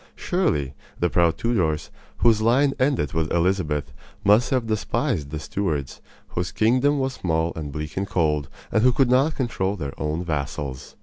Surely, the proud Tudors, whose line ended with Elizabeth, must have despised the "Stewards," whose kingdom was small and bleak and cold, and who could not control their own vassals.